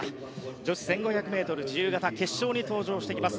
女子１５００ｍ自由形決勝に登場します。